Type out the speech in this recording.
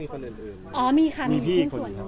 อ๋อมีค่ะมีครึ่งส่วนนี้